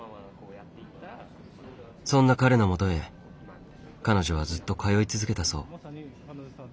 そんな彼のもとへ彼女はずっと通い続けたそう。